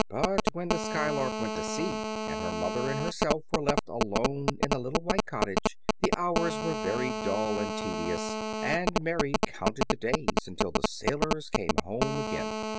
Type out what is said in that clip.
But when the "Skylark" went to sea, and her mother and herself were left alone in the little white cottage, the hours were very dull and tedious, and Mary counted the days until the sailors came home again.